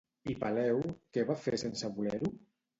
I Peleu, què va fer sense voler-ho?